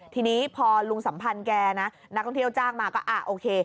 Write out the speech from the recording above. ทีนี้พอลุงสัมพันธ์แกนะนักท่องเที่ยวจ้างมาก็โอเค